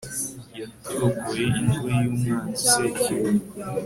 yaturokoye ingoyi y'umwanzi sekibi